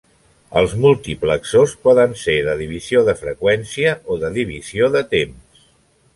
Els multiplexors poden ser de divisió de freqüència o de divisió de temps.